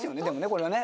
これはね。